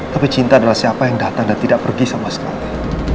tapi cinta adalah siapa yang datang dan tidak pergi sama sekali